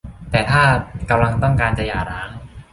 แต่ถ้ากำลังต้องการจะหย่าร้าง